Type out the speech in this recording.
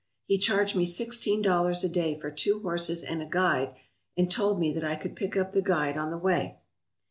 He charged me sixteen dollars a day for two horses and a guide, and told me that I could pick up the guide on the way.